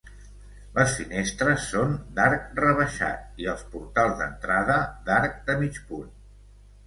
Les finestres són d'arc rebaixat i els portals d'entrada d'arc de mig punt.